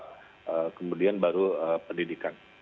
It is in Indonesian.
ekonomi dua tahap kemudian baru pendidikan